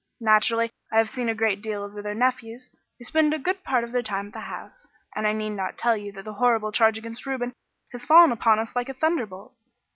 Naturally, I have seen a great deal of their nephews, who spend a good part of their time at the house, and I need not tell you that the horrible charge against Reuben has fallen upon us like a thunderbolt.